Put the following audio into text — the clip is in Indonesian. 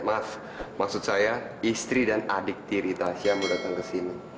maaf maksud saya istri dan adik tiri tasya mau datang ke sini